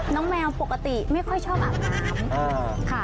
แมวปกติไม่ค่อยชอบอาบน้ำค่ะ